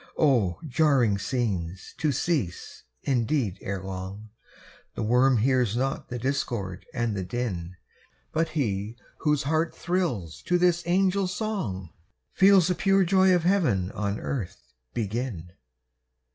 Oh, jarring scenes! to cease, indeed, ere long; The worm hears not the discord and the din; But he whose heart thrills to this angel song, Feels the pure joy of heaven on earth begin!